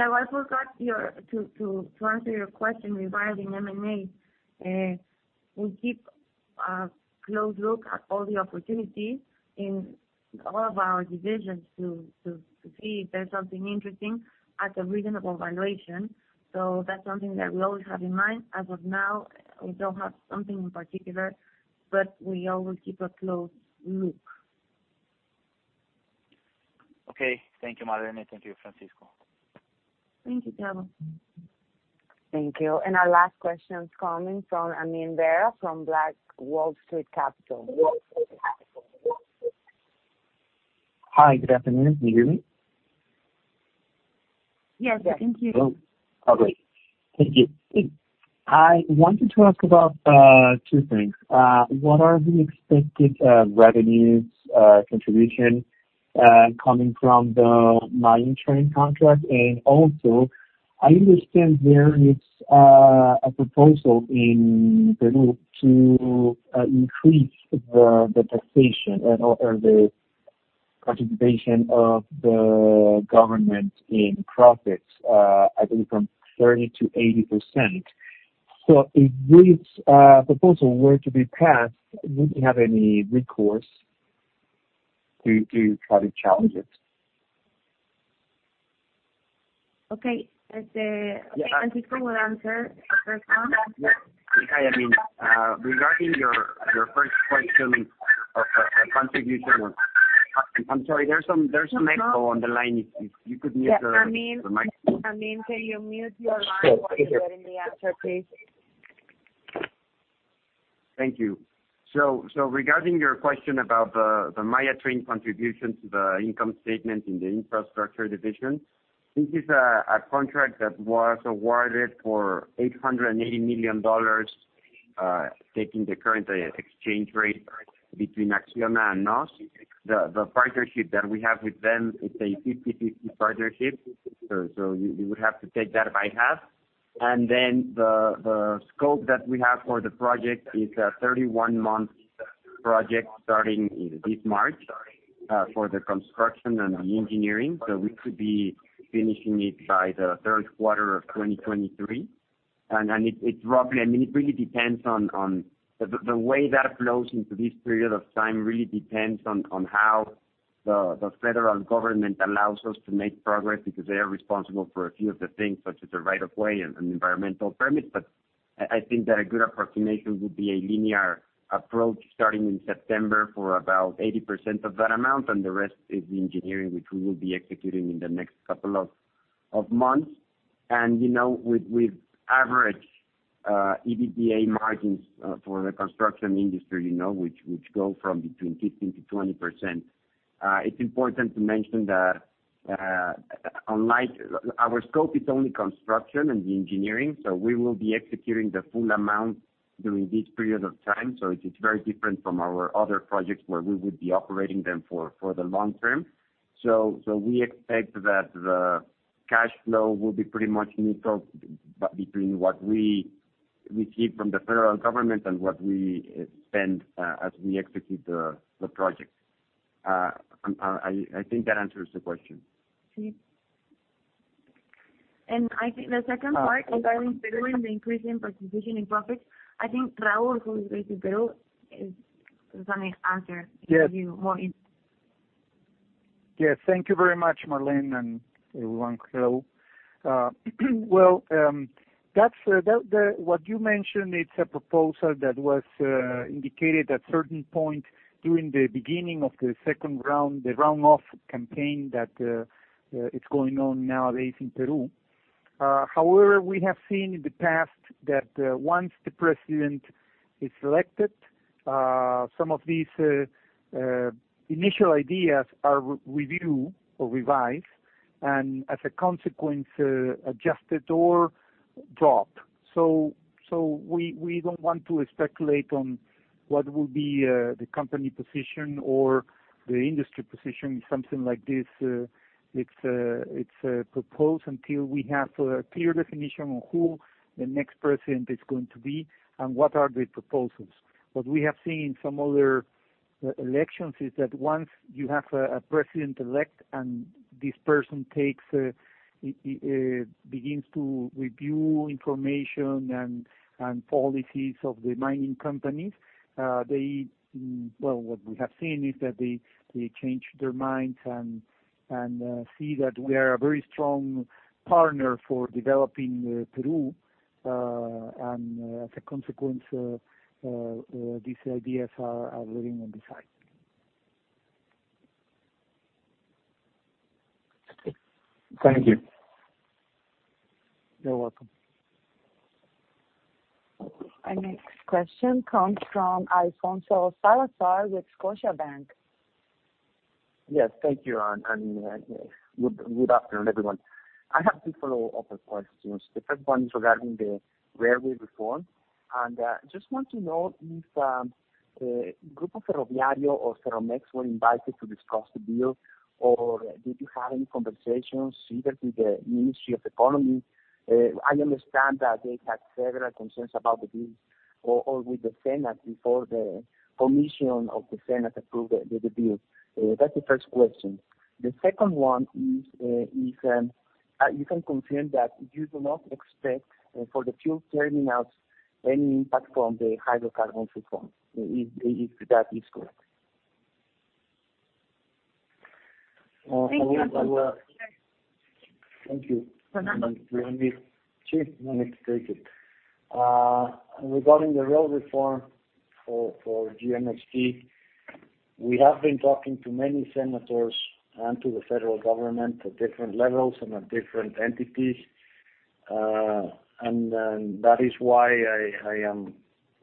Okay. Thiago, I forgot to answer your question regarding M&A. We keep a close look at all the opportunities in all of our divisions to see if there's something interesting at a reasonable valuation. That's something that we always have in mind. As of now, we don't have something in particular, but we always keep a close look. Okay. Thank you, Marlene. Thank you, Francisco. Thank you, Thiago. Thank you. Our last question is coming from Amin Vera from Black Wallstreet Capital. Hi. Good afternoon. Can you hear me? Yes. Thank you. Oh, great. Thank you. I wanted to ask about two things. What are the expected revenues contribution coming from the Maya Train contract? Also, I understand there is a proposal in Peru to increase the taxation or the participation of the government in profits, I believe from 30%-80%. If this proposal were to be passed, would you have any recourse to try to challenge it? Okay. Francisco will answer the first one. Yeah. Hi, Amin. Regarding your first question of contribution. I'm sorry, there's some echo on the line. If you could mute your microphone. Yeah. Amin, can you mute your line while you are getting the answer, please? Thank you. Regarding your question about the Maya Train contribution to the income statement in the infrastructure division, this is a contract that was awarded for $880 million, taking the current exchange rate between Acciona and us. The partnership that we have with them is a 50/50 partnership. You would have to take that by half. The scope that we have for the project is a 31-month project starting this March, for the construction and the engineering. We could be finishing it by the third quarter of 2023. It really depends on the way that flows into this period of time, really depends on how the federal government allows us to make progress, because they are responsible for a few of the things such as the right of way and environmental permits. I think that a good approximation would be a linear approach starting in September for about 80% of that amount, and the rest is the engineering, which we will be executing in the next couple of months. With average EBITDA margins for the construction industry, which go from between 15%-20%. It's important to mention that our scope is only construction and the engineering, so we will be executing the full amount during this period of time. It is very different from our other projects where we would be operating them for the long term. We expect that the cash flow will be pretty much neutral between what we receive from the federal government and what we spend as we execute the project. I think that answers the question. I think the second part regarding Peru and the increase in participation in profits, I think Raúl, who is based in Peru is going to answer. Yes. Thank you very much, Marlene, and everyone. Hello. Well, what you mentioned, it's a proposal that was indicated at a certain point during the beginning of the second round, the runoff campaign that is going on nowadays in Peru. We have seen in the past that once the president is elected, some of these initial ideas are reviewed or revised, and as a consequence, adjusted or dropped. We don't want to speculate on what will be the company position or the industry position, something like this. It's a proposal until we have a clear definition on who the next president is going to be and what are the proposals. What we have seen in some other elections is that once you have a president elect and this person begins to review information and policies of the mining companies, well, what we have seen is that they change their minds and see that we are a very strong partner for developing Peru. As a consequence, these ideas are living on the side. Thank you. You're welcome. Our next question comes from Alfonso Salazar with Scotiabank. Yes. Thank you. Good afternoon, everyone. I have two follow-up questions. The first one is regarding the railway reform. I just want to know if Grupo Ferroviario or Ferromex were invited to discuss the bill, or did you have any conversations either with the Ministry of Economy? I understand that they had several concerns about the bill, or with the Senate before the commission of the Senate approved the bill. That's the first question. The second one is, you can confirm that you do not expect for the fuel terminals any impact from the hydrocarbon reform, if that is correct. Thank you, Alfonso. Thank you. Regarding the rail reform for GMXT, we have been talking to many senators and to the federal government at different levels and at different entities. That is why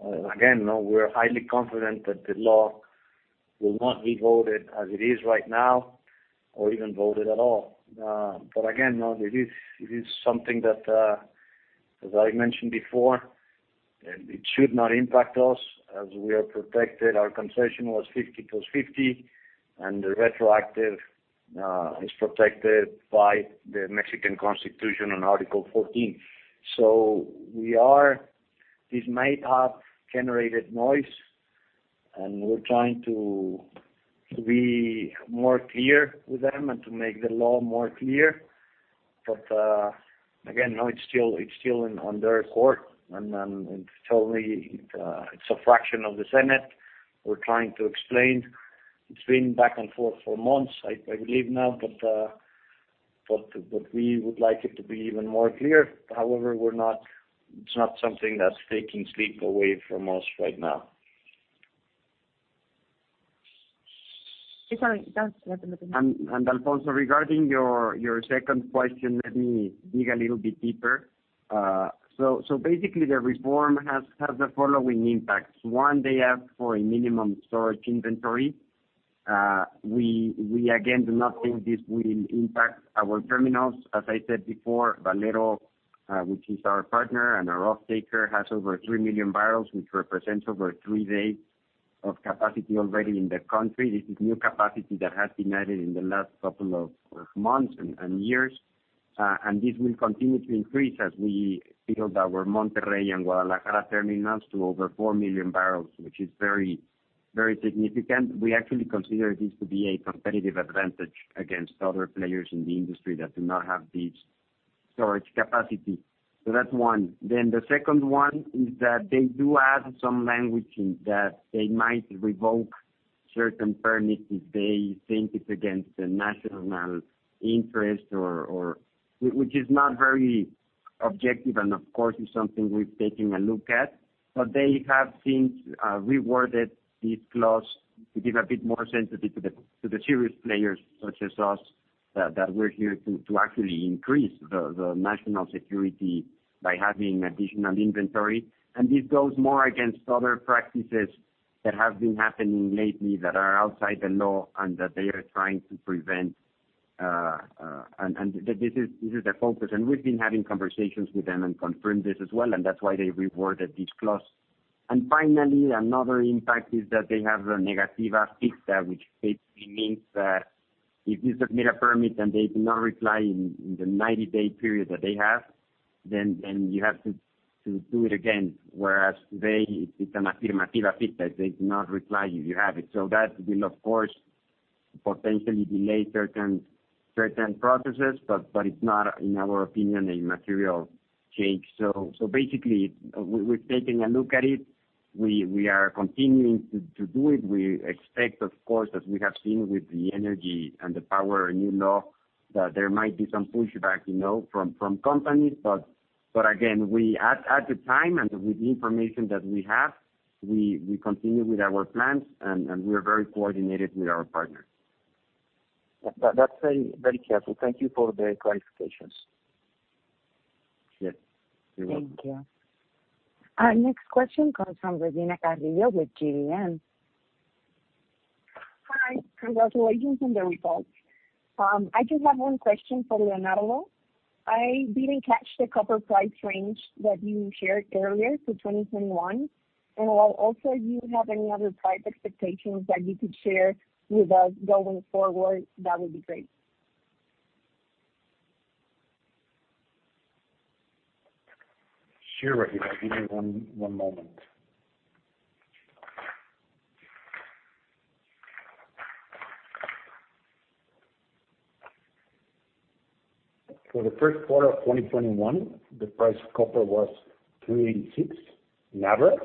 we're highly confident that the law will not be voted as it is right now or even voted at all. It is something that, as I mentioned before, it should not impact us as we are protected. Our concession was 50 years+50 years, and the retroactive is protected by the Mexican Constitution on Article 14. This might have generated noise, and we're trying to be more clear with them and to make the law more clear. It's still on their court, and it's only a fraction of the Senate. We're trying to explain. It's been back and forth for months, I believe now. We would like it to be even more clear. However, it's not something that's taking sleep away from us right now. Sorry, Francisco. Alfonso, regarding your second question, let me dig a little bit deeper. Basically, the reform has the following impacts. One, they ask for a minimum storage inventory. We, again, do not think this will impact our terminals. As I said before, Valero, which is our partner and our off-taker, has over 3 million barrels, which represents over three days of capacity already in the country. This is new capacity that has been added in the last couple of months and years. This will continue to increase as we build our Monterrey and Guadalajara terminals to over 4 million barrels, which is very significant. We actually consider this to be a competitive advantage against other players in the industry that do not have this storage capacity. That's one. The second one is that they do add some languaging that they might revoke certain permits if they think it's against the national interest, which is not very objective, and of course, is something we're taking a look at. They have since reworded this clause to give a bit more sensitivity to the serious players such as us, that we're here to actually increase the national security by having additional inventory. This goes more against other practices that have been happening lately that are outside the law and that they are trying to prevent, and this is the focus. We've been having conversations with them and confirmed this as well, and that's why they reworded this clause. Finally, another impact is that they have a negativa ficta, which basically means that if you submit a permit and they do not reply in the 90-day period that they have, then you have to do it again. Today, it's an afirmativa ficta. They do not reply if you have it. That will, of course, potentially delay certain processes, but it's not, in our opinion, a material change. Basically, we're taking a look at it. We are continuing to do it. We expect, of course, as we have seen with the energy and the power new law, that there might be some pushback from companies. Again, at the time and with the information that we have, we continue with our plans, and we are very coordinated with our partners. That's very careful. Thank you for the clarifications. Yes. You're welcome. Thank you. Our next question comes from Regina Carrillo with GBM. Hi. Congratulations on the results. I just have one question for Leonardo. I didn't catch the copper price range that you shared earlier for 2021. While also you have any other price expectations that you could share with us going forward, that would be great. Sure, Regina. Give me one moment. For the first quarter of 2021, the price of copper was $3.86 average.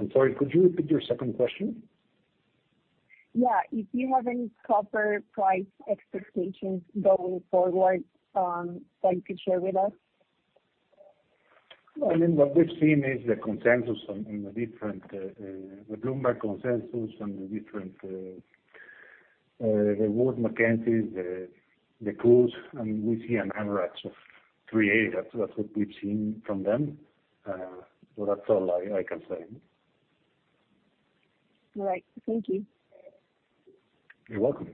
I'm sorry, could you repeat your second question? Yeah. If you have any copper price expectations going forward that you could share with us? I mean, what we've seen is the consensus on the different, the Bloomberg consensus and the different, the Wood Mackenzie, the calls. We see an average of $3.80. That's what we've seen from them. That's all I can say. All right. Thank you. You're welcome.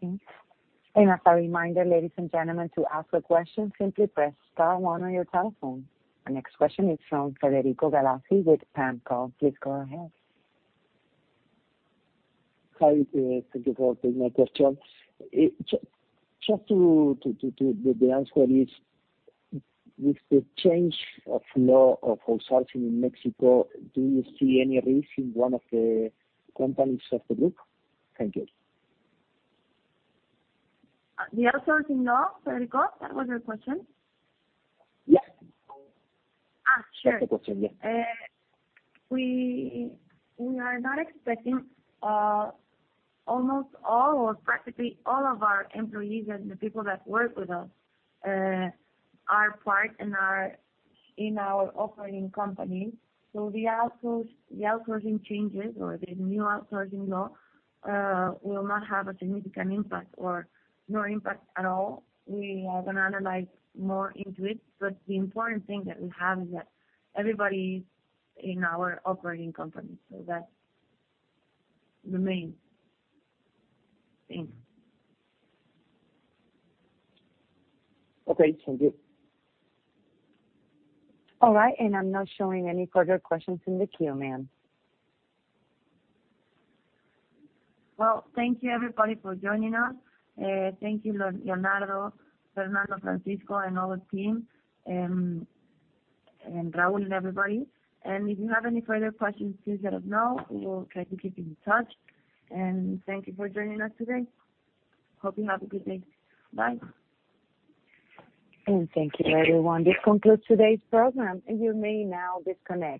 Thanks. As a reminder, ladies and gentlemen, to ask a question, simply press star one on your telephone. Our next question is from Federico Galassi with PAAMCO. Please go ahead. Hi. Thank you for taking my question. Just to the answer is, with the change of law of outsourcing in Mexico, do you see any risk in one of the companies of the group? Thank you. The outsourcing law, Federico? That was your question. Yes. sure. That's the question, yeah. We are not expecting. Almost all or practically all of our employees and the people that work with us are part in our operating companies. The outsourcing changes or the new outsourcing law will not have a significant impact or no impact at all. We are going to analyze more into it, but the important thing that we have is that everybody is in our operating company. That's the main thing. Okay, thank you. All right, I'm not showing any further questions in the queue, ma'am. Well, thank you everybody for joining us. Thank you, Leonardo, Fernando, Francisco, and all the team, and Raúl and everybody. If you have any further questions, please let us know. We will try to keep in touch. Thank you for joining us today. Hope you have a good day. Bye. Thank you, everyone. This concludes today's program. You may now disconnect.